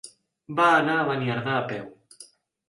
Va anar a Beniardà a peu.